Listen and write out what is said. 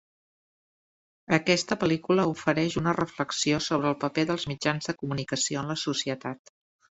Aquesta pel·lícula ofereix una reflexió sobre el paper dels mitjans de comunicació en la societat.